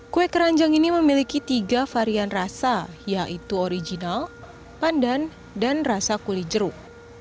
kue keranjang ini memiliki tiga varian rasa yaitu original pandan dan rasa kulit jeruk